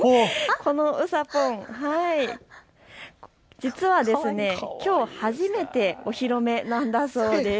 このうさぽん、実はきょう初めてお披露目なんだそうです。